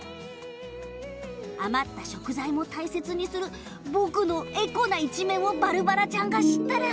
余った食材も大切にする僕のエコな一面をバルバラちゃんが知ったら。